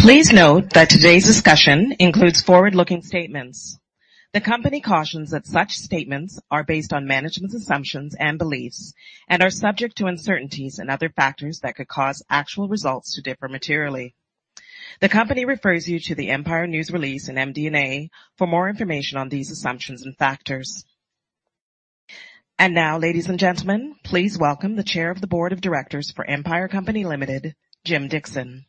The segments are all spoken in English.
Please note that today's discussion includes forward-looking statements. The company cautions that such statements are based on management's assumptions and beliefs and are subject to uncertainties and other factors that could cause actual results to differ materially. The company refers you to the Empire news release in MD&A for more information on these assumptions and factors. And now, ladies and gentlemen, please welcome the Chair of the Board of Directors for Empire Company Limited, Jim Dickson.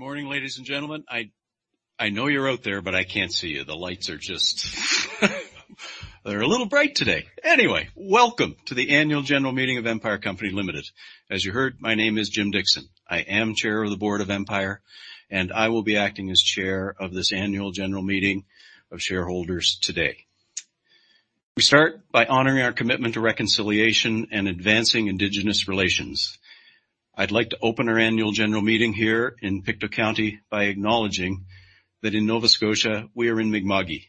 Good morning, ladies and gentlemen. I know you're out there, but I can't see you. The lights are just, they're a little bright today. Anyway, welcome to the Annual General Meeting of Empire Company Limited. As you heard, my name is Jim Dickson. I am Chair of the Board of Empire, and I will be acting as chair of this annual general meeting of shareholders today. We start by honoring our commitment to reconciliation and advancing Indigenous relations. I'd like to open our annual general meeting here in Pictou County by acknowledging that in Nova Scotia, we are in Mi'kma'ki,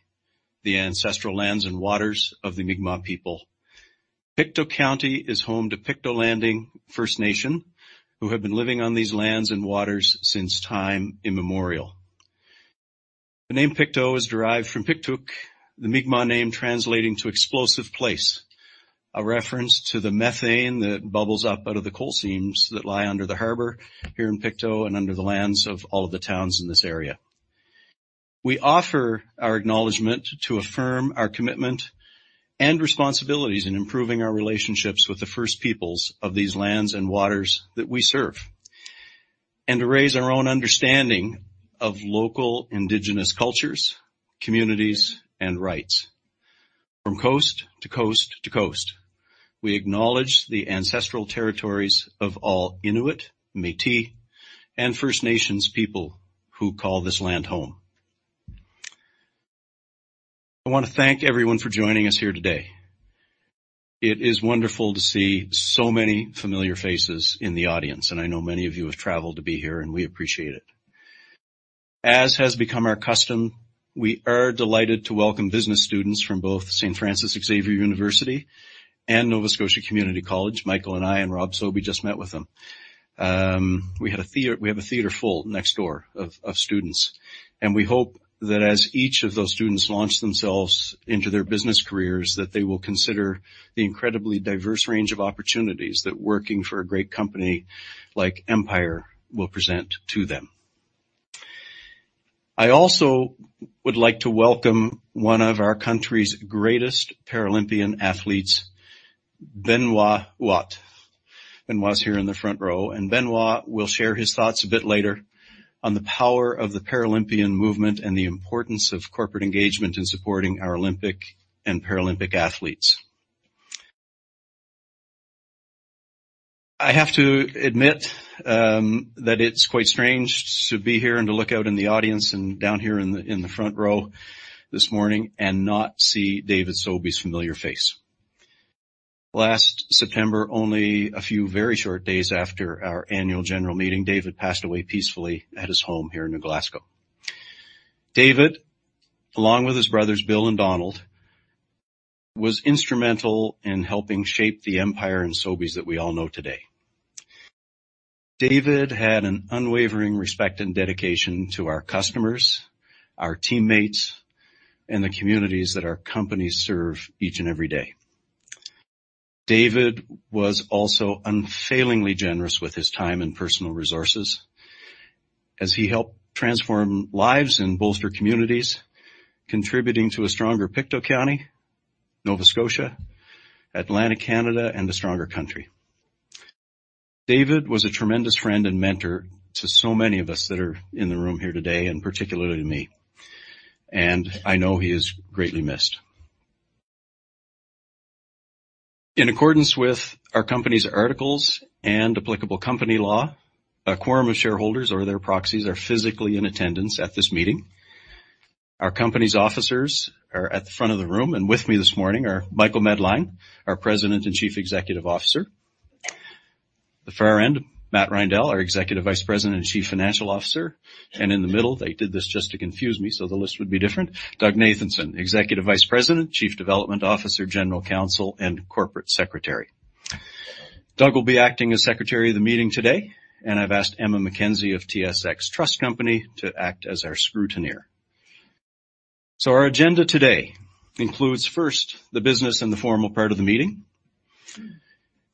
the ancestral lands and waters of the Mi'kmaq people. Pictou County is home to Pictou Landing First Nation, who have been living on these lands and waters since time immemorial. The name Pictou is derived from Piktuk, the Mi'kmaq name translating to explosive place, a reference to the methane that bubbles up out of the coal seams that lie under the harbor here in Pictou and under the lands of all of the towns in this area. We offer our acknowledgement to affirm our commitment and responsibilities in improving our relationships with the First Peoples of these lands and waters that we serve, and to raise our own understanding of local indigenous cultures, communities, and rights. From coast to coast to coast, we acknowledge the ancestral territories of all Inuit, Métis, and First Nations people who call this land home. I want to thank everyone for joining us here today. It is wonderful to see so many familiar faces in the audience, and I know many of you have traveled to be here, and we appreciate it. As has become our custom, we are delighted to welcome business students from both St. Francis Xavier University and Nova Scotia Community College. Michael and I and Rob Sobey just met with them. We have a theater full next door of students, and we hope that as each of those students launch themselves into their business careers, that they will consider the incredibly diverse range of opportunities that working for a great company like Empire will present to them. I also would like to welcome one of our country's greatest Paralympian athletes, Benoît Huot. Benoît's here in the front row, and Benoît will share his thoughts a bit later on the power of the Paralympian movement and the importance of corporate engagement in supporting our Olympic and Paralympic athletes. I have to admit, that it's quite strange to be here and to look out in the audience and down here in the front row this morning and not see David Sobey's familiar face. Last September, only a few very short days after our annual general meeting, David passed away peacefully at his home here in New Glasgow. David, along with his brothers, Bill and Donald, was instrumental in helping shape the Empire and Sobeys that we all know today. David had an unwavering respect and dedication to our customers, our teammates, and the communities that our companies serve each and every day. David was also unfailingly generous with his time and personal resources as he helped transform lives and bolster communities, contributing to a stronger Pictou County, Nova Scotia, Atlantic Canada, and a stronger country. David was a tremendous friend and mentor to so many of us that are in the room here today, and particularly to me, and I know he is greatly missed. In accordance with our company's articles and applicable company law, a quorum of shareholders or their proxies are physically in attendance at this meeting. Our company's officers are at the front of the room, and with me this morning are Michael Medline, our President and Chief Executive Officer. The far end, Matt Reindel, our Executive Vice President and Chief Financial Officer. And in the middle, they did this just to confuse me, so the list would be different, Doug Nathanson, Executive Vice President, Chief Development Officer, General Counsel, and Corporate Secretary. Doug will be acting as Secretary of the meeting today, and I've asked Emma Mackenzie of TSX Trust Company to act as our scrutineer. So our agenda today includes, first, the business and the formal part of the meeting.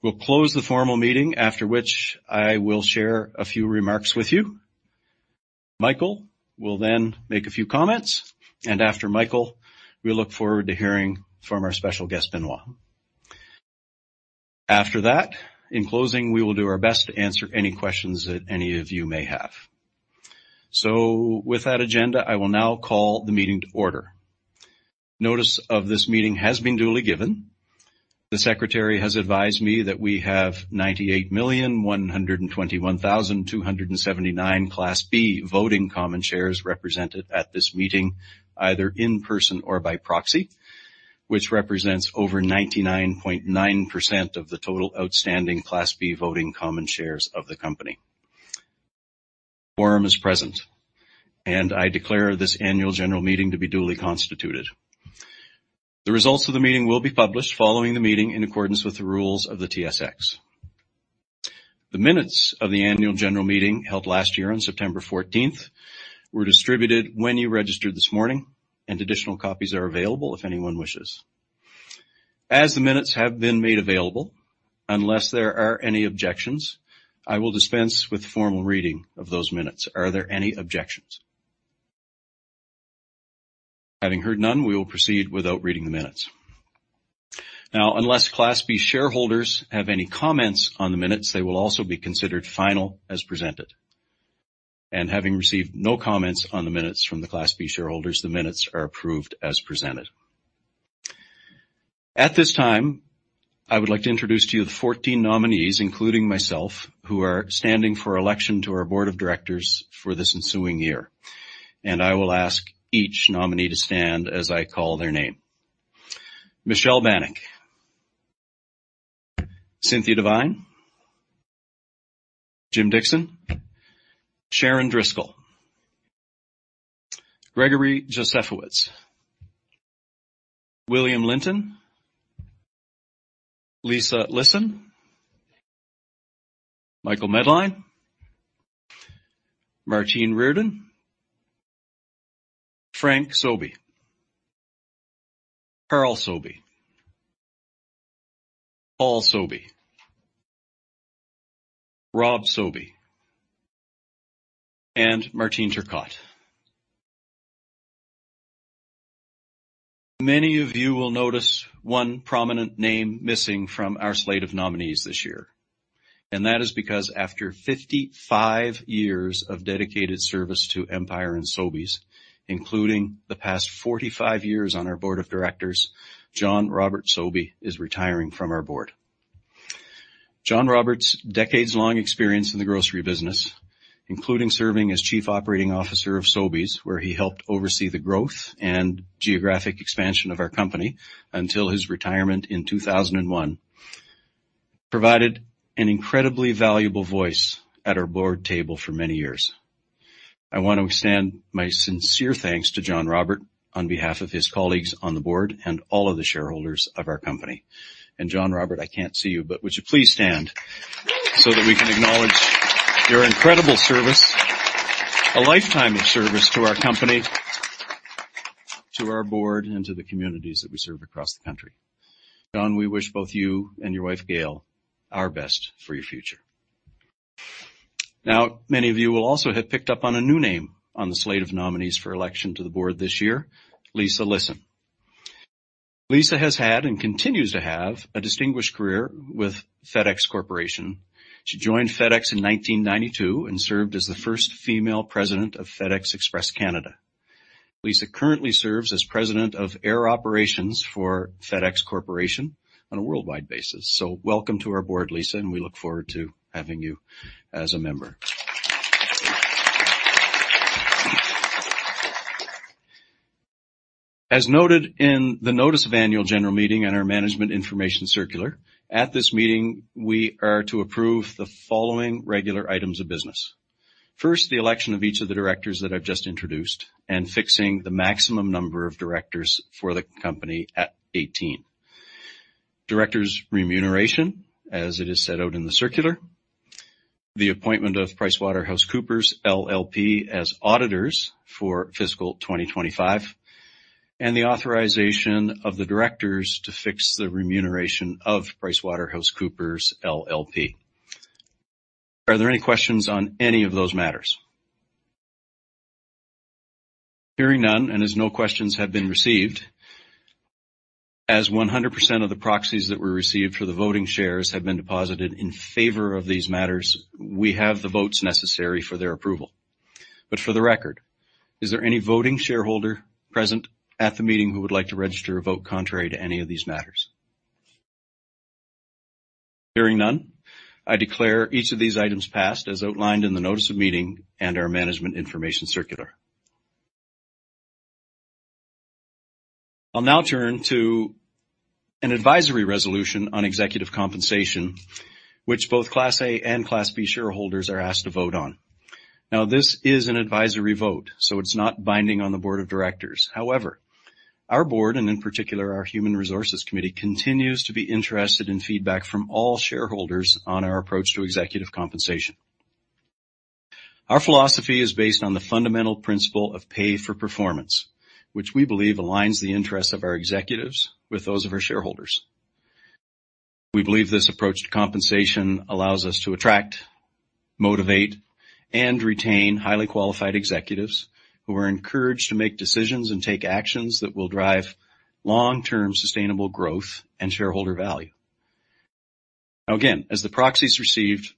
We'll close the formal meeting, after which I will share a few remarks with you. Michael will then make a few comments, and after Michael, we look forward to hearing from our special guest, Benoît. After that, in closing, we will do our best to answer any questions that any of you may have. So with that agenda, I will now call the meeting to order. Notice of this meeting has been duly given. The secretary has advised me that we have ninety-eight million one hundred and twenty-one thousand two hundred and seventy-nine Class B Voting Common Shares represented at this meeting, either in person or by proxy, which represents over 99.9% of the total outstanding Class B Voting Common Shares of the company. Quorum is present, and I declare this annual general meeting to be duly constituted. The results of the meeting will be published following the meeting in accordance with the rules of the TSX. The minutes of the annual general meeting, held last year on September fourteenth, were distributed when you registered this morning, and additional copies are available if anyone wishes. As the minutes have been made available, unless there are any objections, I will dispense with the formal reading of those minutes. Are there any objections? Having heard none, we will proceed without reading the minutes. Now, unless Class B shareholders have any comments on the minutes, they will also be considered final as presented. And having received no comments on the minutes from the Class B shareholders, the minutes are approved as presented. At this time, I would like to introduce to you the 14 nominees, including myself, who are standing for election to our board of directors for this ensuing year, and I will ask each nominee to stand as I call their name. Michelle Banik, Cynthia Devine, Jim Dickson, Sharon Driscoll, Gregory Josefowicz, William Linton, Lisa Lisson, Michael Medline, Martine Reardon, Frank Sobey, Carl Sobey, Paul Sobey, Rob Sobey, and Martine Turcotte. Many of you will notice one prominent name missing from our slate of nominees this year, and that is because after 55 years of dedicated service to Empire and Sobeys, including the past 45 years on our board of directors, John Robert Sobey is retiring from our board. John Robert's decades-long experience in the grocery business, including serving as Chief Operating Officer of Sobeys, where he helped oversee the growth and geographic expansion of our company until his retirement in 2001, provided an incredibly valuable voice at our board table for many years. I want to extend my sincere thanks to John Robert on behalf of his colleagues on the board and all of the shareholders of our company. And John Robert, I can't see you, but would you please stand so that we can acknowledge your incredible service, a lifetime of service to our company, to our board, and to the communities that we serve across the country. John, we wish both you and your wife, Gail, our best for your future. Now, many of you will also have picked up on a new name on the slate of nominees for election to the board this year, Lisa Lisson. Lisa has had, and continues to have, a distinguished career with FedEx Corporation. She joined FedEx in nineteen ninety-two and served as the first female president of FedEx Express Canada. Lisa currently serves as President of Air Operations for FedEx Corporation on a worldwide basis. So welcome to our board, Lisa, and we look forward to having you as a member. As noted in the notice of annual general meeting and our management information circular, at this meeting, we are to approve the following regular items of business. First, the election of each of the directors that I've just introduced, and fixing the maximum number of directors for the company at 18. Directors' remuneration, as it is set out in the circular. The appointment of PricewaterhouseCoopers LLP as auditors for fiscal 2025, and the authorization of the directors to fix the remuneration of PricewaterhouseCoopers LLP. Are there any questions on any of those matters? Hearing none, and as no questions have been received, as 100% of the proxies that were received for the voting shares have been deposited in favor of these matters, we have the votes necessary for their approval. But for the record, is there any voting shareholder present at the meeting who would like to register a vote contrary to any of these matters? Hearing none, I declare each of these items passed as outlined in the notice of meeting and our Management Information Circular. I'll now turn to an advisory resolution on executive compensation, which both Class A and Class B shareholders are asked to vote on. Now, this is an advisory vote, so it's not binding on the board of directors. However, our board, and in particular, our Human Resources Committee, continues to be interested in feedback from all shareholders on our approach to executive compensation. Our philosophy is based on the fundamental principle of pay for performance, which we believe aligns the interests of our executives with those of our shareholders. We believe this approach to compensation allows us to attract, motivate, and retain highly qualified executives who are encouraged to make decisions and take actions that will drive long-term sustainable growth and shareholder value. Now, again, as the proxies received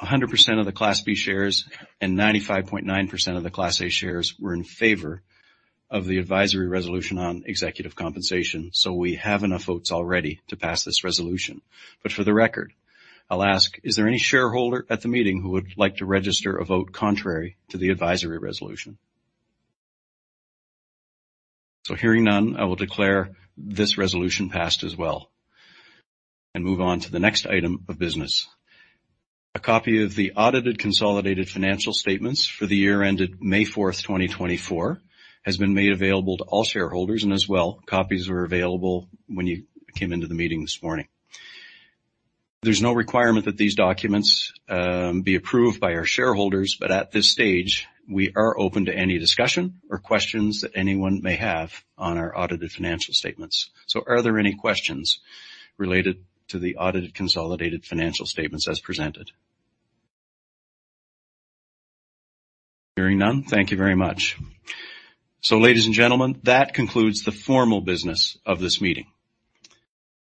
100% of the Class B shares and 95.9% of the Class A shares were in favor of the advisory resolution on executive compensation, so we have enough votes already to pass this resolution. But for the record, I'll ask, is there any shareholder at the meeting who would like to register a vote contrary to the advisory resolution? So hearing none, I will declare this resolution passed as well, and move on to the next item of business. A copy of the audited consolidated financial statements for the year ended May 4, 2024, has been made available to all shareholders, and as well, copies were available when you came into the meeting this morning. There's no requirement that these documents be approved by our shareholders, but at this stage, we are open to any discussion or questions that anyone may have on our audited financial statements. So are there any questions related to the audited consolidated financial statements as presented? Hearing none, thank you very much. So, ladies and gentlemen, that concludes the formal business of this meeting.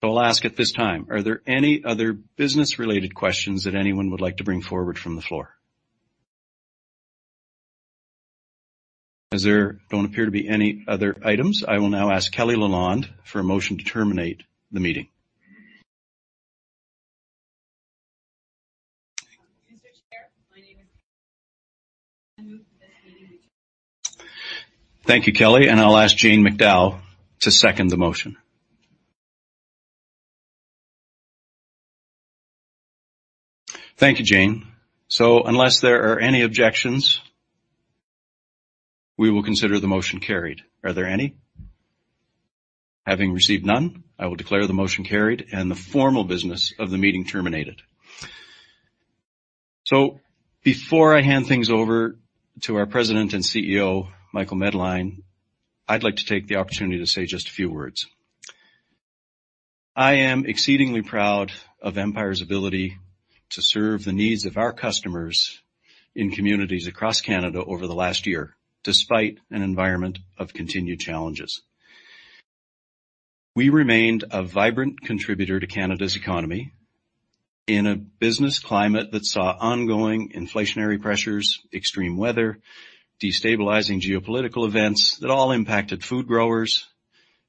So I'll ask at this time, are there any other business-related questions that anyone would like to bring forward from the floor? As there don't appear to be any other items, I will now ask Kelly Lalonde for a motion to terminate the meeting. Thank you, Kelly, and I'll ask Jane McDowell to second the motion. Thank you, Jane. So unless there are any objections, we will consider the motion carried. Are there any? Having received none, I will declare the motion carried and the formal business of the meeting terminated. So before I hand things over to our President and CEO, Michael Medline, I'd like to take the opportunity to say just a few words. I am exceedingly proud of Empire's ability to serve the needs of our customers in communities across Canada over the last year, despite an environment of continued challenges. We remained a vibrant contributor to Canada's economy in a business climate that saw ongoing inflationary pressures, extreme weather, destabilizing geopolitical events that all impacted food growers,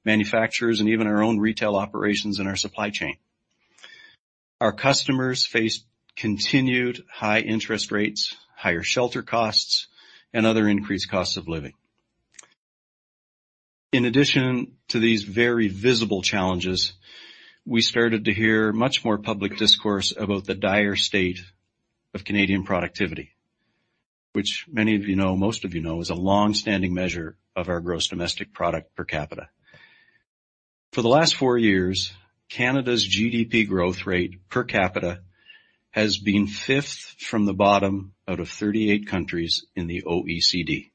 manufacturers, and even our own retail operations and our supply chain. Our customers faced continued high interest rates, higher shelter costs, and other increased costs of living. In addition to these very visible challenges, we started to hear much more public discourse about the dire state of Canadian productivity, which many of you know, most of you know, is a long-standing measure of our gross domestic product per capita. For the last four years, Canada's GDP growth rate per capita has been fifth from the bottom out of 38 countries in the OECD.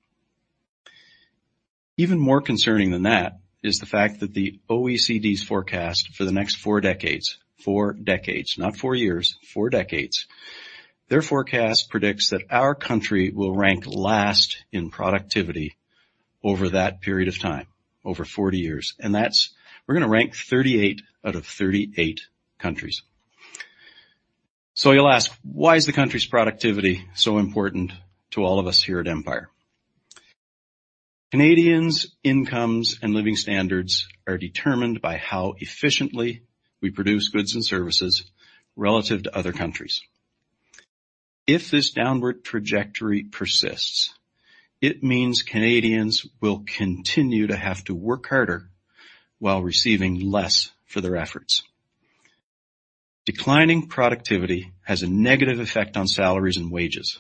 Even more concerning than that is the fact that the OECD's forecast for the next four decades, four decades, not four years, four decades. Their forecast predicts that our country will rank last in productivity over that period of time, over forty years, and that's. We're gonna rank 38 out of 38 countries. So you'll ask, why is the country's productivity so important to all of us here at Empire? Canadians' incomes and living standards are determined by how efficiently we produce goods and services relative to other countries. If this downward trajectory persists, it means Canadians will continue to have to work harder while receiving less for their efforts. Declining productivity has a negative effect on salaries and wages.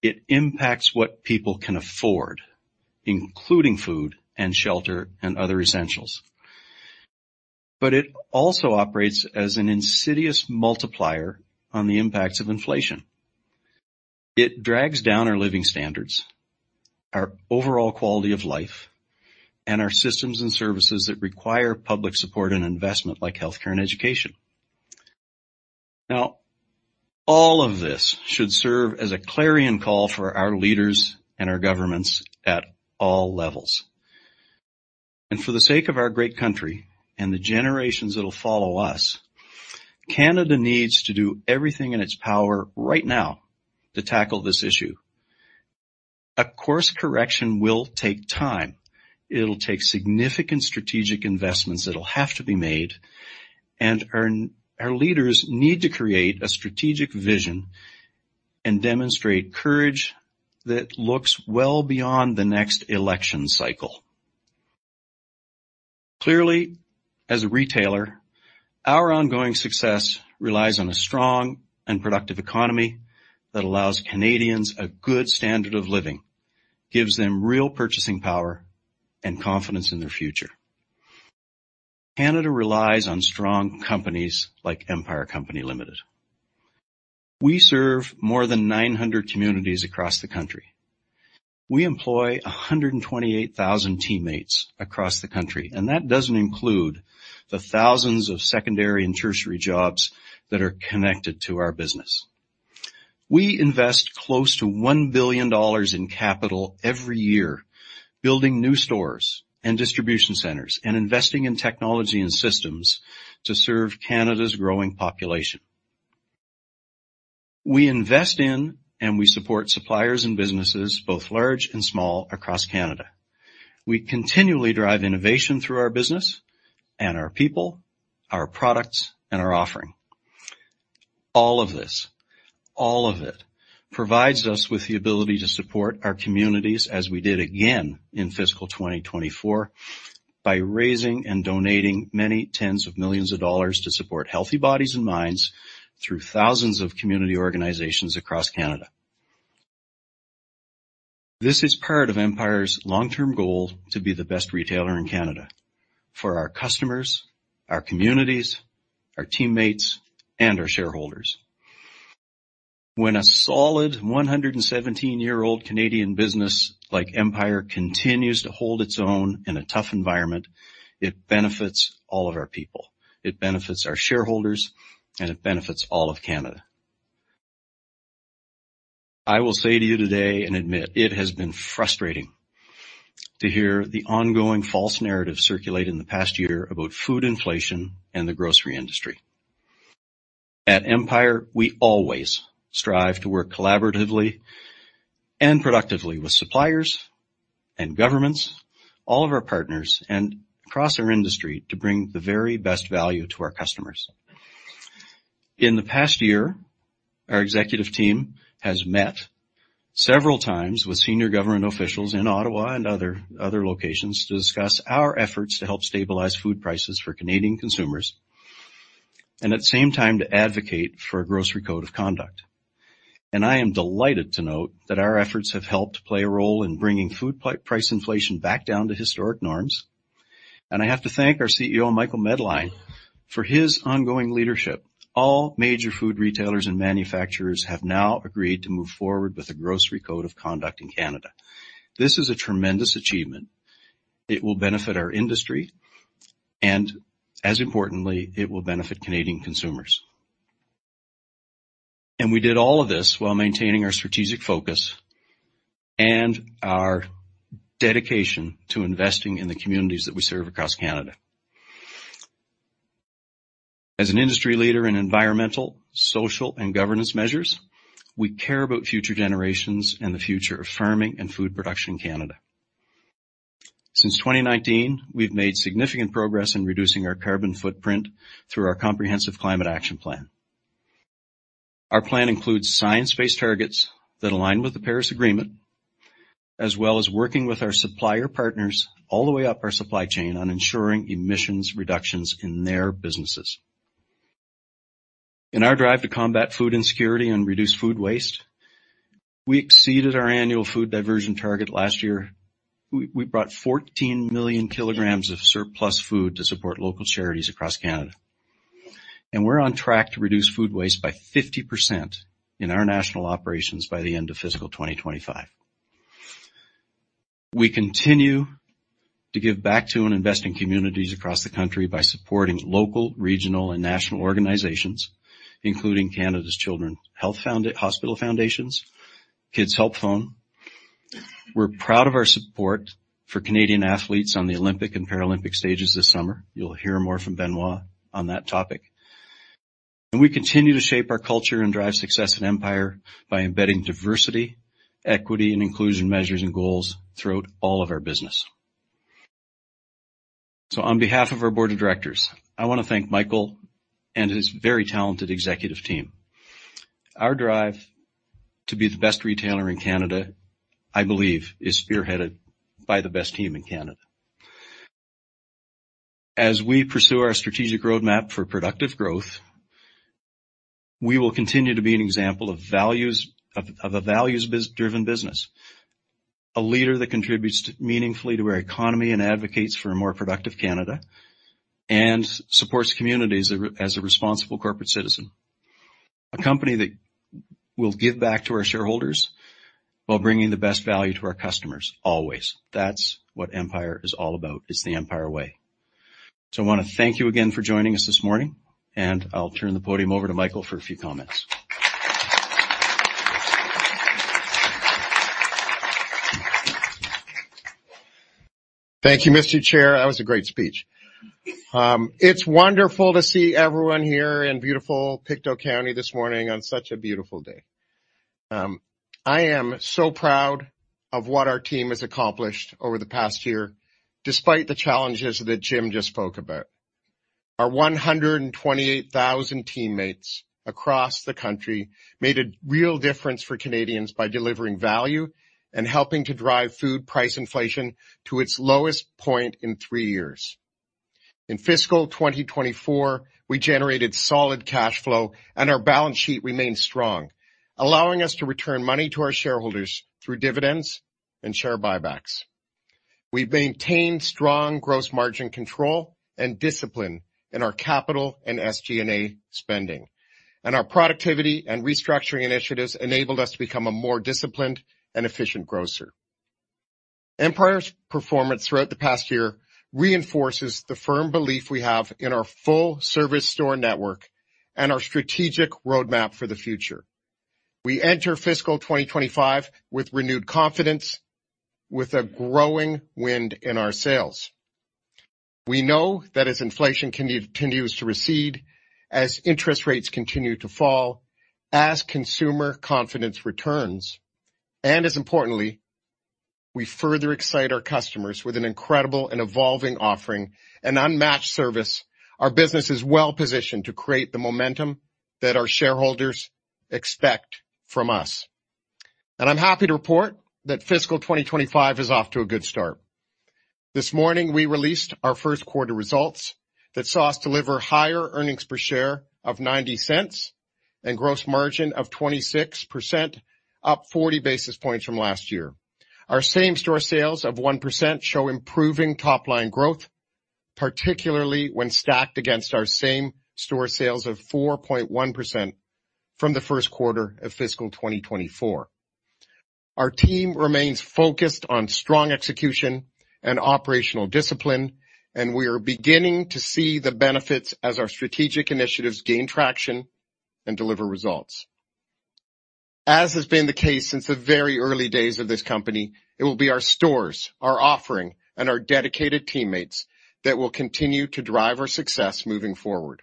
It impacts what people can afford, including food and shelter and other essentials. But it also operates as an insidious multiplier on the impacts of inflation. It drags down our living standards, our overall quality of life, and our systems and services that require public support and investment, like healthcare and education. Now, all of this should serve as a clarion call for our leaders and our governments at all levels. For the sake of our great country and the generations that will follow us, Canada needs to do everything in its power right now to tackle this issue. A course correction will take time. It'll take significant strategic investments that'll have to be made, and our leaders need to create a strategic vision and demonstrate courage that looks well beyond the next election cycle. Clearly, as a retailer, our ongoing success relies on a strong and productive economy that allows Canadians a good standard of living, gives them real purchasing power and confidence in their future. Canada relies on strong companies like Empire Company Limited. We serve more than 900 communities across the country. We employ 128,000 teammates across the country, and that doesn't include the thousands of secondary and tertiary jobs that are connected to our business. We invest close to 1 billion dollars in capital every year, building new stores and distribution centers and investing in technology and systems to serve Canada's growing population. We invest in and we support suppliers and businesses, both large and small, across Canada. We continually drive innovation through our business and our people, our products, and our offering. All of this, all of it, provides us with the ability to support our communities as we did again in fiscal 2024, by raising and donating many tens of millions of dollars to support healthy bodies and minds through thousands of community organizations across Canada. This is part of Empire's long-term goal to be the best retailer in Canada for our customers, our communities, our teammates, and our shareholders. When a solid 117-year-old Canadian business like Empire continues to hold its own in a tough environment, it benefits all of our people, it benefits our shareholders, and it benefits all of Canada. I will say to you today, and admit, it has been frustrating to hear the ongoing false narrative circulate in the past year about food inflation and the grocery industry. At Empire, we always strive to work collaboratively and productively with suppliers and governments, all of our partners, and across our industry, to bring the very best value to our customers. In the past year, our executive team has met several times with senior government officials in Ottawa and other locations, to discuss our efforts to help stabilize food prices for Canadian consumers, and at the same time, to advocate for a Grocery Code of Conduct. I am delighted to note that our efforts have helped play a role in bringing food price inflation back down to historic norms, and I have to thank our CEO, Michael Medline, for his ongoing leadership. All major food retailers and manufacturers have now agreed to move forward with a Grocery Code of Conduct in Canada. This is a tremendous achievement. It will benefit our industry, and as importantly, it will benefit Canadian consumers. We did all of this while maintaining our strategic focus and our dedication to investing in the communities that we serve across Canada. As an industry leader in environmental, social, and governance measures, we care about future generations and the future of farming and food production in Canada. Since 2019, we've made significant progress in reducing our carbon footprint through our comprehensive climate action plan. Our plan includes science-based targets that align with the Paris Agreement, as well as working with our supplier partners all the way up our supply chain on ensuring emissions reductions in their businesses. In our drive to combat food insecurity and reduce food waste, we exceeded our annual food diversion target last year. We brought 14 million kgs of surplus food to support local charities across Canada, and we're on track to reduce food waste by 50% in our national operations by the end of fiscal 2025. We continue to give back to and invest in communities across the country by supporting local, regional, and national organizations, including Canada's Children's Hospital Foundations, Kids Help Phone. We're proud of our support for Canadian athletes on the Olympic and Paralympic stages this summer. You'll hear more from Benoît on that topic. We continue to shape our culture and drive success at Empire by embedding diversity, equity, and inclusion measures and goals throughout all of our business. On behalf of our board of directors, I wanna thank Michael and his very talented executive team. Our drive to be the best retailer in Canada, I believe, is spearheaded by the best team in Canada. As we pursue our strategic roadmap for productive growth, we will continue to be an example of values-driven business, a leader that contributes meaningfully to our economy and advocates for a more productive Canada, and supports communities as a responsible corporate citizen, a company that will give back to our shareholders while bringing the best value to our customers, always. That's what Empire is all about. It's the Empire way. So I wanna thank you again for joining us this morning, and I'll turn the podium over to Michael for a few comments. Thank you, Mr. Chair. That was a great speech. It's wonderful to see everyone here in beautiful Pictou County this morning on such a beautiful day. I am so proud of what our team has accomplished over the past year, despite the challenges that Jim just spoke about. Our 128,000 teammates across the country made a real difference for Canadians by delivering value and helping to drive food price inflation to its lowest point in three years. In fiscal 2024, we generated solid cash flow, and our balance sheet remained strong, allowing us to return money to our shareholders through dividends and share buybacks. We've maintained strong gross margin control and discipline in our capital and SG&A spending, and our productivity and restructuring initiatives enabled us to become a more disciplined and efficient grocer. Empire's performance throughout the past year reinforces the firm belief we have in our full-service store network and our strategic roadmap for the future. We enter fiscal 2025 with renewed confidence, with a growing wind in our sails. We know that as inflation continues to recede, as interest rates continue to fall, as consumer confidence returns, and, as importantly, we further excite our customers with an incredible and evolving offering and unmatched service, our business is well-positioned to create the momentum that our shareholders expect from us, and I'm happy to report that fiscal 2025 is off to a good start. This morning, we released our first quarter results that saw us deliver higher earnings per share of 0.90 and gross margin of 26%, up 40 basis points from last year. Our same-store sales of 1% show improving top-line growth, particularly when stacked against our same-store sales of 4.1% from the first quarter of fiscal 2024. Our team remains focused on strong execution and operational discipline, and we are beginning to see the benefits as our strategic initiatives gain traction and deliver results. As has been the case since the very early days of this company, it will be our stores, our offering, and our dedicated teammates that will continue to drive our success moving forward.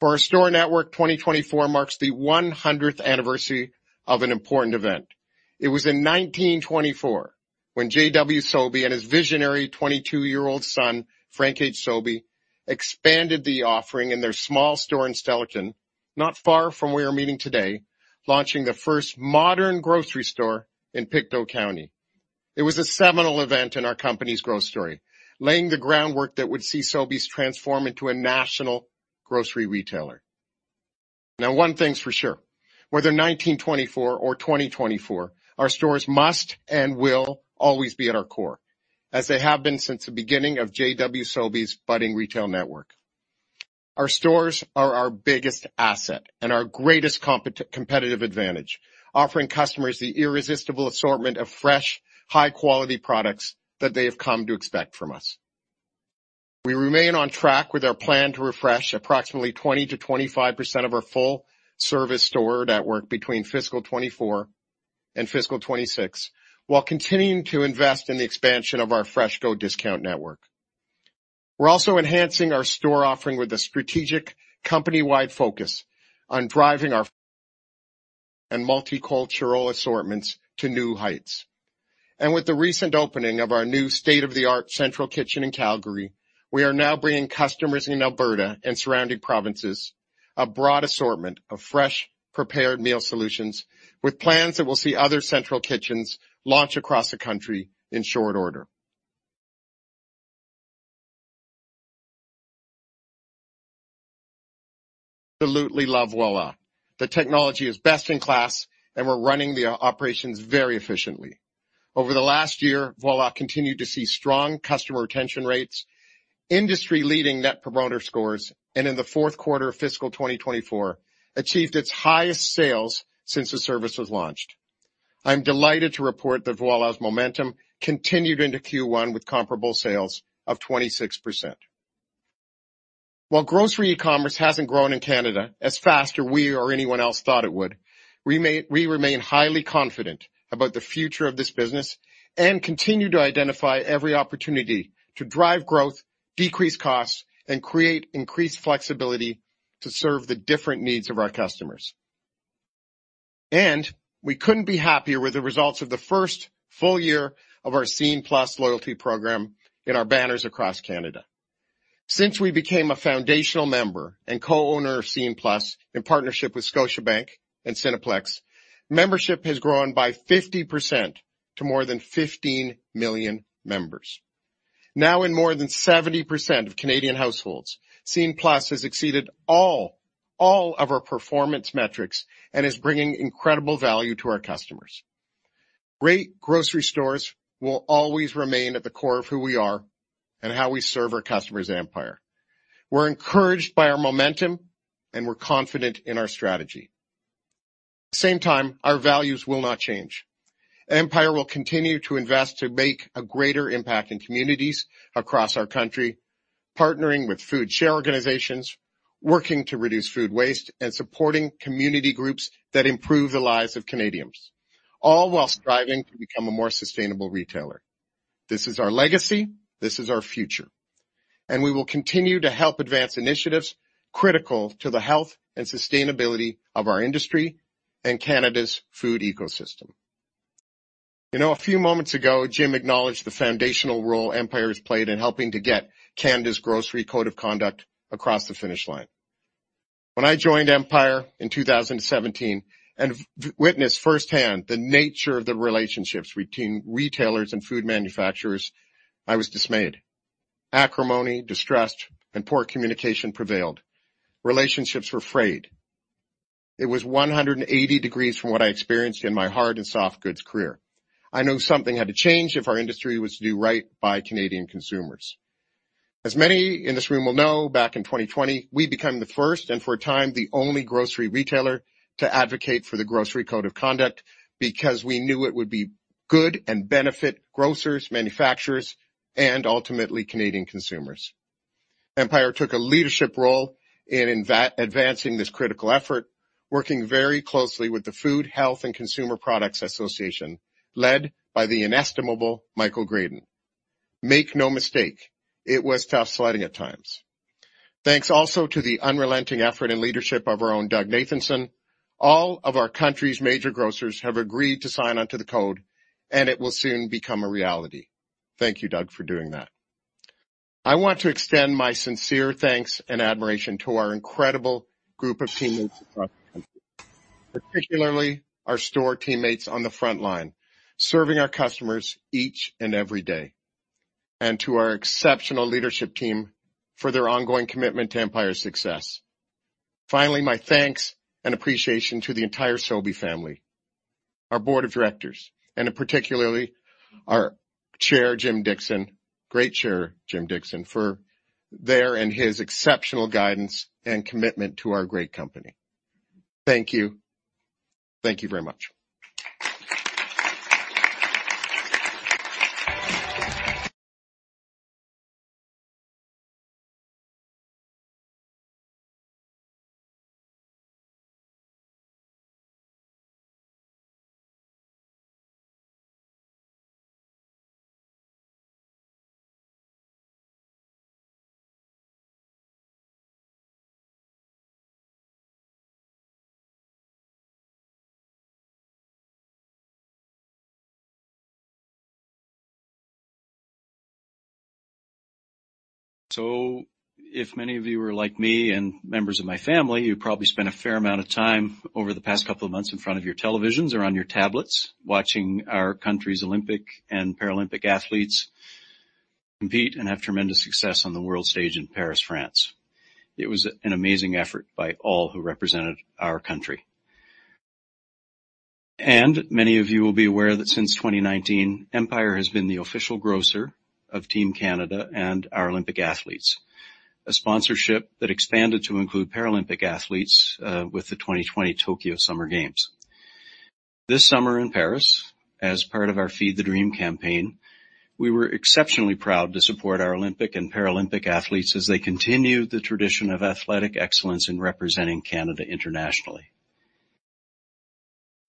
For our store network, 2024 marks the 100th anniversary of an important event. It was in 1924 when J.W. Sobey and his visionary 22-year-old son, Frank H. Sobey, expanded the offering in their small store in Stellarton, not far from where we're meeting today, launching the first modern grocery store in Pictou County. It was a seminal event in our company's growth story, laying the groundwork that would see Sobeys transform into a national grocery retailer. Now, one thing's for sure, whether nineteen twenty-four or twenty twenty-four, our stores must and will always be at our core, as they have been since the beginning of J.W. Sobey's budding retail network. Our stores are our biggest asset and our greatest competitive advantage, offering customers the irresistible assortment of fresh, high-quality products that they have come to expect from us. We remain on track with our plan to refresh approximately 20-25% of our full-service store network between fiscal 24 and fiscal 26, while continuing to invest in the expansion of our FreshCo discount network. We're also enhancing our store offering with a strategic company-wide focus on driving our and multicultural assortments to new heights. And with the recent opening of our new state-of-the-art central kitchen in Calgary, we are now bringing customers in Alberta and surrounding provinces a broad assortment of fresh, prepared meal solutions, with plans that will see other central kitchens launch across the country in short order. Absolutely love Voilà. The technology is best in class, and we're running the operations very efficiently. Over the last year, Voilà continued to see strong customer retention rates, industry-leading net promoter scores, and in the fourth quarter of fiscal 2024, achieved its highest sales since the service was launched. I'm delighted to report that Voilà's momentum continued into Q1 with comparable sales of 26%. While grocery e-commerce hasn't grown in Canada as fast as we or anyone else thought it would, we remain highly confident about the future of this business and continue to identify every opportunity to drive growth, decrease costs, and create increased flexibility to serve the different needs of our customers. And we couldn't be happier with the results of the first full year of our Scene+ loyalty program in our banners across Canada. Since we became a foundational member and co-owner of Scene+, in partnership with Scotiabank and Cineplex, membership has grown by 50% to more than 15 million members. Now, in more than 70% of Canadian households, Scene+ has exceeded all of our performance metrics and is bringing incredible value to our customers. Great grocery stores will always remain at the core of who we are and how we serve our customers at Empire. We're encouraged by our momentum, and we're confident in our strategy. Same time, our values will not change. Empire will continue to invest to make a greater impact in communities across our country, partnering with food share organizations, working to reduce food waste, and supporting community groups that improve the lives of Canadians, all while striving to become a more sustainable retailer. This is our legacy, this is our future, and we will continue to help advance initiatives critical to the health and sustainability of our industry and Canada's Grocery Code of Conduct. You know, a few moments ago, Jim acknowledged the foundational role Empire has played in helping to get Canada's Grocery Code of Conduct across the finish line. When I joined Empire in two thousand and seventeen and witnessed firsthand the nature of the relationships between retailers and food manufacturers, I was dismayed. Acrimony, distrust, and poor communication prevailed. Relationships were frayed. It was 180 degrees from what I experienced in my hard and soft goods career. I knew something had to change if our industry was to do right by Canadian consumers. As many in this room will know, back in twenty twenty, we became the first, and for a time, the only grocery retailer to advocate for the Grocery Code of Conduct because we knew it would be good and benefit grocers, manufacturers, and ultimately, Canadian consumers. Empire took a leadership role in advancing this critical effort, working very closely with the Food, Health, and Consumer Products Association, led by the inestimable Michael Graydon. Make no mistake, it was tough sliding at times. Thanks also to the unrelenting effort and leadership of our own Doug Nathanson, all of our country's major grocers have agreed to sign onto the code, and it will soon become a reality. Thank you, Doug, for doing that. I want to extend my sincere thanks and admiration to our incredible group of teammates across the country, particularly our store teammates on the front line, serving our customers each and every day, and to our exceptional leadership team for their ongoing commitment to Empire's success. Finally, my thanks and appreciation to the entire Sobey family, our board of directors, and particularly our chair, Jim Dickson, great chair, Jim Dickson, for their and his exceptional guidance and commitment to our great company. Thank you. Thank you very much. So if many of you are like me and members of my family, you probably spent a fair amount of time over the past couple of months in front of your televisions or on your tablets, watching our country's Olympic and Paralympic athletes compete and have tremendous success on the world stage in Paris, France. It was an amazing effort by all who represented our country. And many of you will be aware that since 2019, Empire has been the official grocer of Team Canada and our Olympic athletes, a sponsorship that expanded to include Paralympic athletes with the 2020 Tokyo Summer Games. This summer in Paris, as part of our Feed the Dream campaign, we were exceptionally proud to support our Olympic and Paralympic athletes as they continued the tradition of athletic excellence in representing Canada internationally.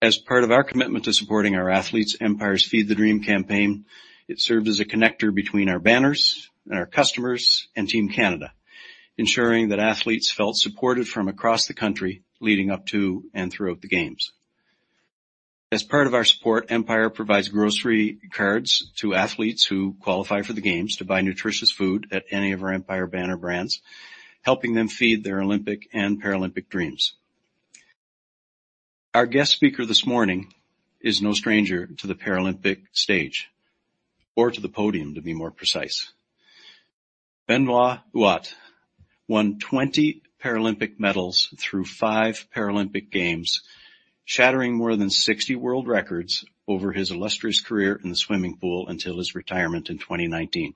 As part of our commitment to supporting our athletes, Empire's Feed the Dream campaign, it served as a connector between our banners and our customers and Team Canada, ensuring that athletes felt supported from across the country leading up to and throughout the games. As part of our support, Empire provides grocery cards to athletes who qualify for the games to buy nutritious food at any of our Empire Banner brands, helping them feed their Olympic and Paralympic dreams. Our guest speaker this morning is no stranger to the Paralympic stage, or to the podium, to be more precise. Benoît Huot won 20 Paralympic medals through five Paralympic games, shattering more than 60 world records over his illustrious career in the swimming pool until his retirement in 2019.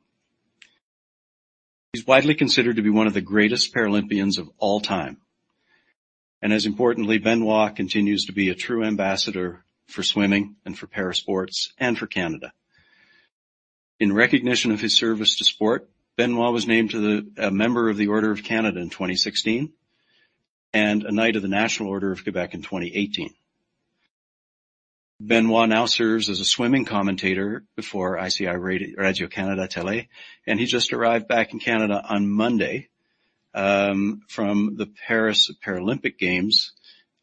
He's widely considered to be one of the greatest Paralympians of all time, and as importantly, Benoît continues to be a true ambassador for swimming and for parasports and for Canada. In recognition of his service to sport, Benoît was named to the Member of the Order of Canada in twenty sixteen and a Knight of the National Order of Quebec in twenty eighteen. Benoît now serves as a swimming commentator for ICI Radio-Canada Télé, and he just arrived back in Canada on Monday from the Paris Paralympic Games.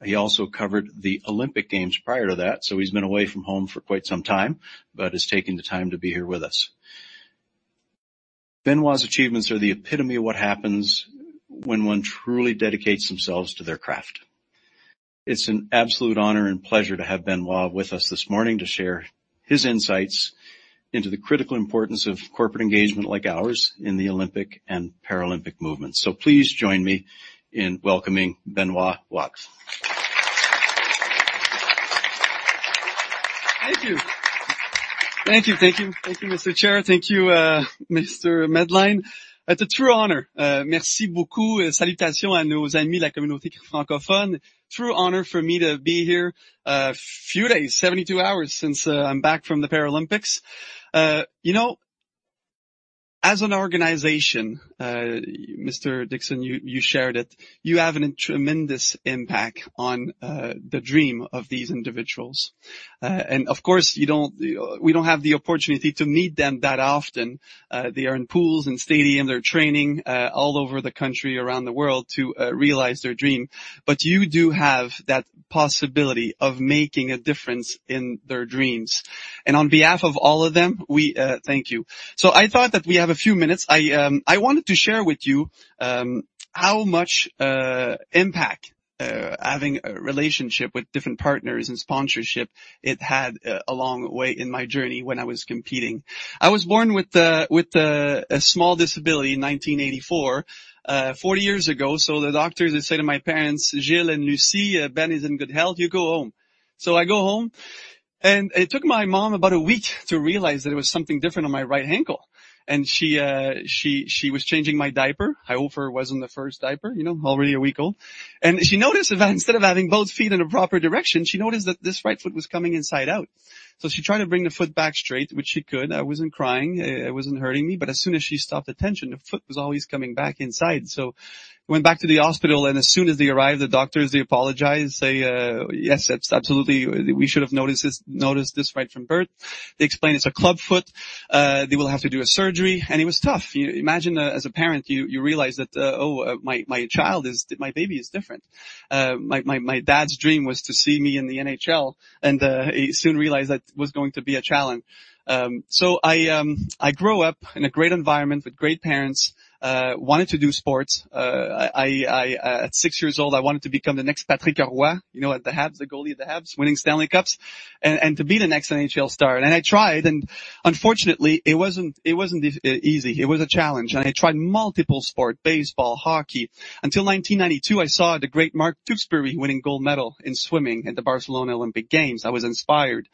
He also covered the Olympic Games prior to that, so he's been away from home for quite some time, but is taking the time to be here with us. Benoît's achievements are the epitome of what happens when one truly dedicates themselves to their craft. It's an absolute honor and pleasure to have Benoît with us this morning to share his insights into the critical importance of corporate engagement like ours in the Olympic and Paralympic movement. So please join me in welcoming Benoît Huot. Thank you. Thank you, thank you. Thank you, Mr. Chair. Thank you, Mr. Medline. It's a true honor, merci beaucoup, salutation à nos amis de la communauté francophone. True honor for me to be here, few days, 72 hours since I'm back from the Paralympics. You know, as an organization, Mr. Dickson, you shared it. You have a tremendous impact on the dream of these individuals. And of course, we don't have the opportunity to meet them that often. They are in pools and stadiums, they're training all over the country, around the world, to realize their dream. But you do have that possibility of making a difference in their dreams. And on behalf of all of them, we thank you. So I thought that we have a few minutes. I wanted to share with you how much impact having a relationship with different partners and sponsorship it had a long way in my journey when I was competing. I was born with a small disability in 1984, 40 years ago. So the doctors, they said to my parents, "Gilles and Lucie, Ben is in good health. You go home." So I go home. And it took my mom about a week to realize that it was something different on my right ankle. And she was changing my diaper. I hope it wasn't the first diaper, you know, already a week old. And she noticed that instead of having both feet in a proper direction, she noticed that this right foot was coming inside out. So she tried to bring the foot back straight, which she could. I wasn't crying, it wasn't hurting me, but as soon as she stopped the tension, the foot was always coming back inside. So we went back to the hospital, and as soon as they arrived, the doctors, they apologized, say, "Yes, that's absolutely, we should have noticed this, noticed this right from birth." They explained, "It's a clubfoot. They will have to do a surgery." And it was tough. You imagine as a parent, you realize that, oh, my child is. My baby is different. My dad's dream was to see me in the NHL, and he soon realized that was going to be a challenge. So I grew up in a great environment with great parents, wanted to do sports. At six years old, I wanted to become the next Patrick Roy, you know, at the Habs, the goalie of the Habs, winning Stanley Cups, and to be the next NHL star. I tried, and unfortunately, it wasn't easy. It was a challenge. I tried multiple sports, baseball, hockey, until 1992, I saw the great Mark Tewksbury winning gold medal in swimming at the Barcelona Olympic Games. I was inspired,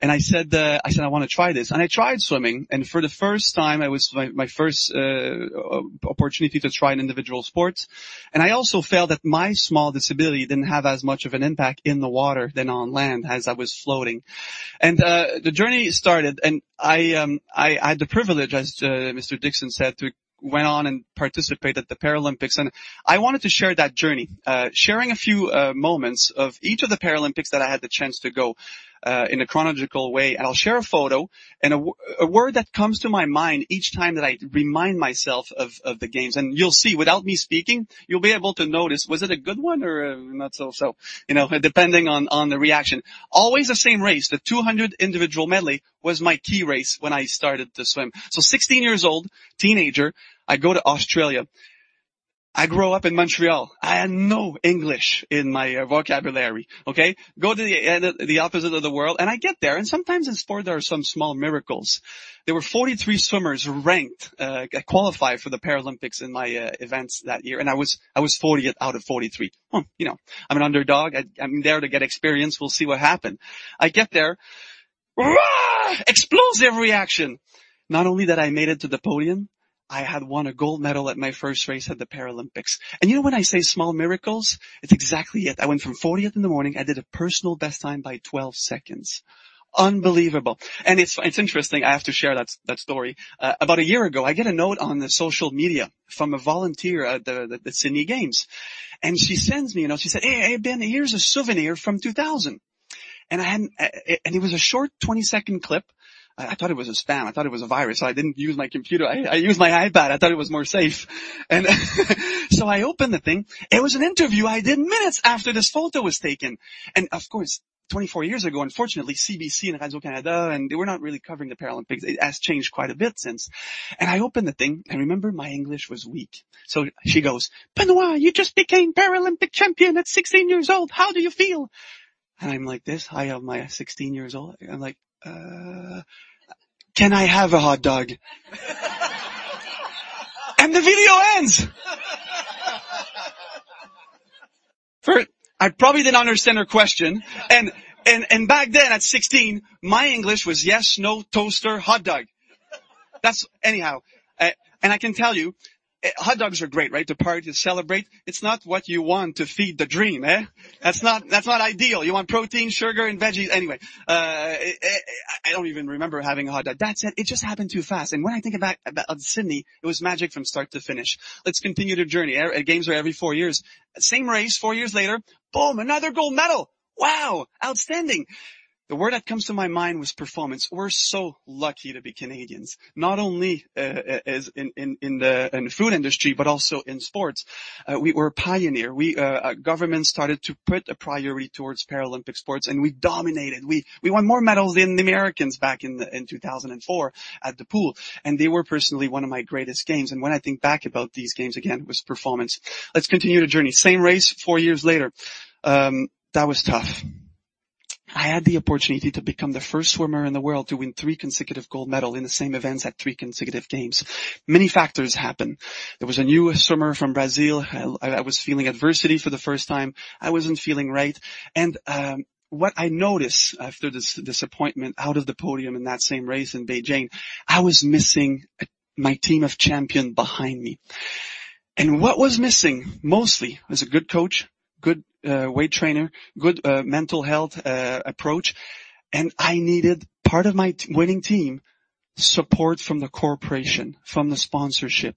and I said, "I wanna try this." I tried swimming, and for the first time, it was my first opportunity to try an individual sport. I also felt that my small disability didn't have as much of an impact in the water than on land as I was floating. The journey started, and I had the privilege, as Mr. Dickson said, to went on and participate at the Paralympics, and I wanted to share that journey. Sharing a few moments of each of the Paralympics that I had the chance to go in a chronological way. I'll share a photo and a word that comes to my mind each time that I remind myself of the games. You'll see, without me speaking, you'll be able to notice, was it a good one or not so so? You know, depending on the reaction. Always the same race, the 200 individual medley was my key race when I started to swim. 16 years old, teenager, I go to Australia. I grew up in Montreal. I had no English in my vocabulary, okay? Go to the, the opposite of the world, and I get there, and sometimes in sport, there are some small miracles. There were 43 swimmers ranked, qualified for the Paralympics in my, events that year, and I was, I was 40 out of 43. Oh, you know, I'm an underdog. I'm there to get experience. We'll see what happen. I get there, rah! Explosive reaction. Not only that, I made it to the podium, I had won a gold medal at my first race at the Paralympics. And you know, when I say small miracles, it's exactly it. I went from 40 in the morning. I did a personal best time by 12 secs. Unbelievable! And it's, it's interesting, I have to share that, that story. About a year ago, I get a note on the social media from a volunteer at the Sydney Games, and she sends me a note. She said, "Hey, hey, Ben, here's a souvenir from 2000." And it was a short 20-second clip. I thought it was a spam. I thought it was a virus. I didn't use my computer. I used my iPad. I thought it was more safe. And so I opened the thing. It was an interview I did minutes after this photo was taken, and of course, 24 years ago, unfortunately, CBC and Radio-Canada, and they were not really covering the Paralympics. It has changed quite a bit since. And I opened the thing, and remember, my English was weak. So she goes, "Benoît, you just became Paralympic champion at 16 years old. How do you feel?" And I'm like this. I'm 16 years old. I'm like, "Can I have a hot dog?" And the video ends. I probably didn't understand her question, and back then, at 16, my English was, "Yes, no, toaster, hot dog." That's anyhow, and I can tell you, hot dogs are great, right? To party, to celebrate. It's not what you want to Feed the Dream, eh? That's not, that's not ideal. You want protein, sugar, and veggies. Anyway, I don't even remember having a hot dog. That said, it just happened too fast, and when I think about Sydney, it was magic from start to finish. Let's continue the journey. Games are every four years. Same race, four years later, boom, another gold medal! Wow, outstanding. The word that comes to my mind was performance. We're so lucky to be Canadians, not only as in the food industry, but also in sports. We were a pioneer. Government started to put a priority towards Paralympic sports, and we dominated. We won more medals than the Americans back in two thousand and four at the pool, and they were personally one of my greatest games. And when I think back about these games, again, it was performance. Let's continue the journey. Same race, four years later. That was tough. I had the opportunity to become the first swimmer in the world to win three consecutive gold medal in the same events at three consecutive games. Many factors happened. There was a new swimmer from Brazil. I was feeling adversity for the first time. I wasn't feeling right, and what I noticed after this disappointment out of the podium in that same race in Beijing, I was missing my team of champion behind me. And what was missing, mostly, was a good coach, good weight trainer, good mental health approach, and I needed part of my winning team, support from the corporation, from the sponsorship.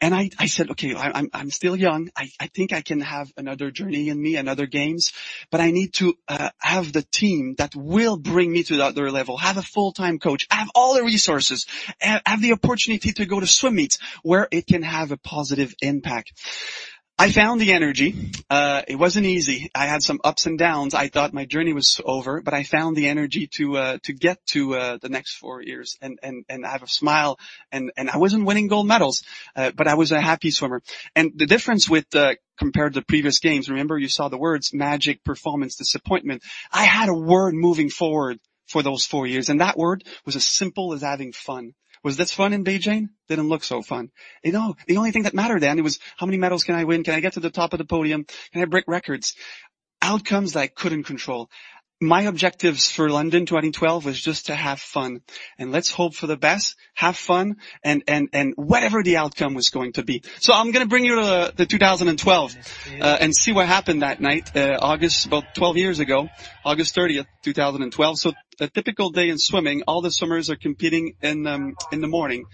And I said: Okay, I'm still young. I think I can have another journey in me, another games, but I need to have the team that will bring me to the other level, have a full-time coach, have all the resources, have the opportunity to go to swim meets where it can have a positive impact. I found the energy. It wasn't easy. I had some ups and downs. I thought my journey was over, but I found the energy to get to the next four years and have a smile, and I wasn't winning gold medals, but I was a happy swimmer. The difference, compared to previous games, remember you saw the words magic, performance, disappointment. I had a word moving forward for those four years, and that word was as simple as having fun. Was this fun in Beijing? Didn't look so fun. You know, the only thing that mattered then was: How many medals can I win? Can I get to the top of the podium? Can I break records? Outcomes that I couldn't control. My objectives for London twenty twelve was just to have fun, and let's hope for the best, have fun, and whatever the outcome was going to be. So I'm gonna bring you to the two thousand and twelve, and see what happened that night. August, about twelve years ago, August thirtieth, two thousand and twelve. So the typical day in swimming, all the swimmers are competing in the morning.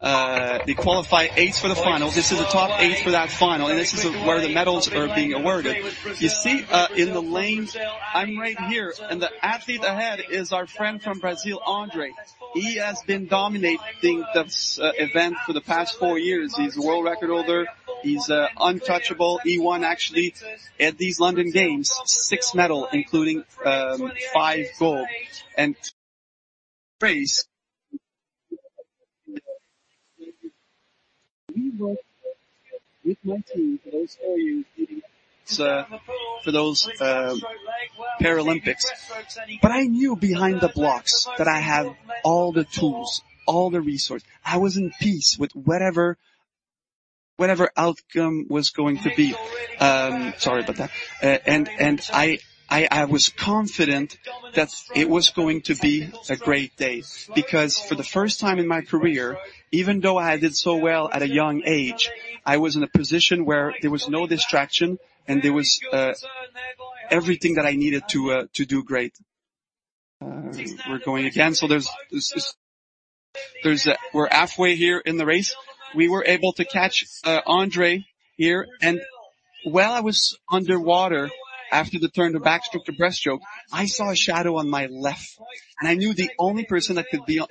They qualify eight for the final. This is the top eight for that final, and this is where the medals are being awarded. You see, in the lanes, I'm right here, and the athlete ahead is our friend from Brazil, André. He has been dominating this event for the past four years. He's a world record holder. He's untouchable. He won, actually, at these London Games, six medals, including five gold. And race- With my team for those four years- So for those Paralympics. But I knew behind the blocks that I had all the tools, all the resources. I was in peace with whatever outcome was going to be. Sorry about that, and I was confident that it was going to be a great day, because for the first time in my career, even though I did so well at a young age, I was in a position where there was no distraction, and there was everything that I needed to do great. We're going again. So we're halfway here in the race. We were able to catch André here, and while I was underwater after the turn of backstroke to breaststroke, I saw a shadow on my left, and I knew the only person that could be. I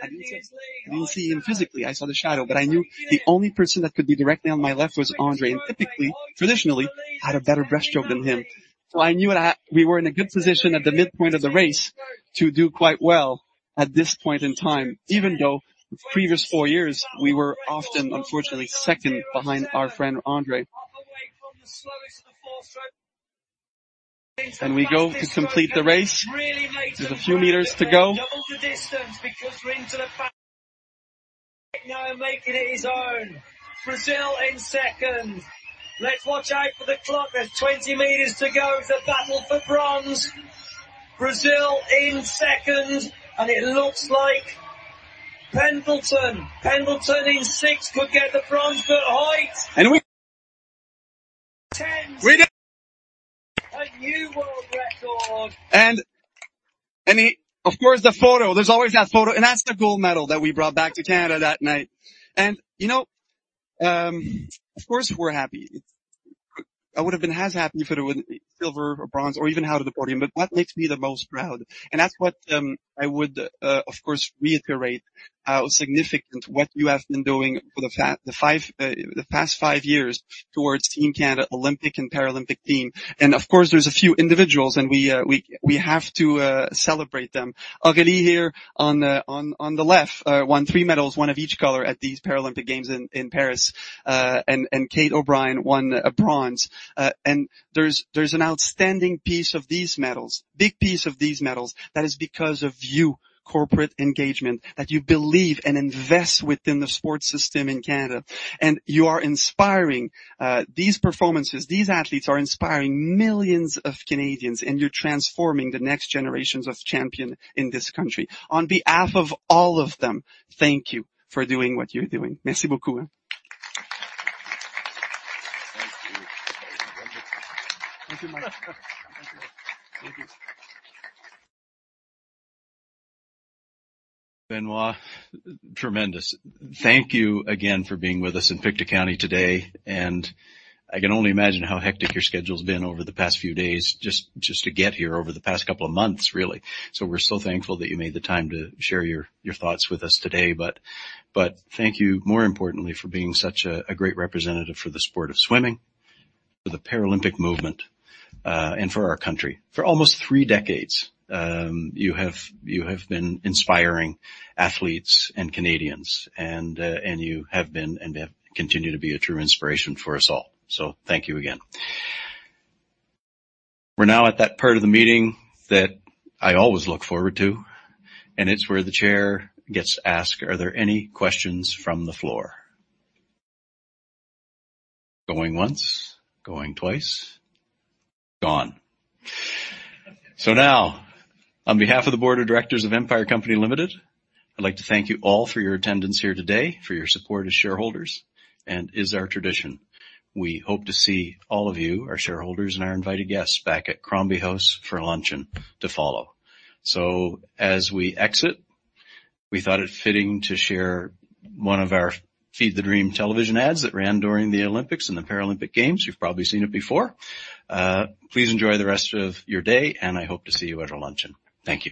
didn't see him physically. I saw the shadow, but I knew the only person that could be directly on my left was André, and typically, traditionally, I had a better breaststroke than him. So I knew that we were in a good position at the midpoint of the race to do quite well at this point in time, even though the previous four years we were often unfortunately second behind our friend, André. Away from the slowest of the fourth stroke. We go to complete the race. There's a few meters to go. Double the distance because we're into the fast. Now making it his own. Brazil in second. Let's watch out for the clock. There's 20 m to go in the battle for bronze. Brazil in second, and it looks like Pendleton. Pendleton in sixth could get the bronze, but Hout-wins it. We-A new world record! Of course, the photo. There's always that photo, and that's the gold medal that we brought back to Canada that night. You know, of course, we're happy. I would have been half as happy if it were silver or bronze or even out of the podium, but what makes me the most proud, and that's what I would, of course, reiterate, how significant what you have been doing for the past five years towards Team Canada Olympic and Paralympic team. Of course, there's a few individuals, and we have to celebrate them. Aurélie here on the left won three medals, one of each color at these Paralympic Games in Paris. Kate O'Brien won a bronze. And there's an outstanding piece of these medals, big piece of these medals that is because of you, corporate engagement, that you believe and invest within the sports system in Canada. And you are inspiring these performances. These athletes are inspiring millions of Canadians, and you're transforming the next generations of champion in this country. On behalf of all of them, thank you for doing what you're doing. Merci beaucoup. Thank you. Thank you. Benoît, tremendous. Thank you again for being with us in Pictou County today, and I can only imagine how hectic your schedule's been over the past few days just to get here over the past couple of months, really. So we're so thankful that you made the time to share your thoughts with us today, but thank you, more importantly, for being such a great representative for the sport of swimming, for the Paralympic movement, and for our country. For almost three decades, you have been inspiring athletes and Canadians, and you have been and continue to be a true inspiration for us all. So thank you again. We're now at that part of the meeting that I always look forward to, and it's where the chair gets to ask, are there any questions from the floor? Going once, going twice, gone. So now, on behalf of the Board of Directors of Empire Company Limited, I'd like to thank you all for your attendance here today, for your support as shareholders, and, as is our tradition. We hope to see all of you, our shareholders and our invited guests, back at Crombie House for a luncheon to follow. So as we exit, we thought it fitting to share one of our Feed the Dream television ads that ran during the Olympics and the Paralympic Games. You've probably seen it before. Please enjoy the rest of your day, and I hope to see you at our luncheon. Thank you.